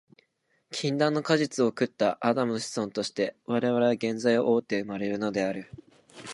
禁断の果実を食ったアダムの子孫として、我々は原罪を負うて生まれるのである。